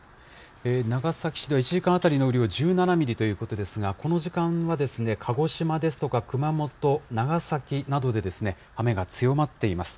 長崎市では１時間当たりの雨量１７ミリということですが、この時間は鹿児島ですとか熊本、長崎などで雨が強まっています。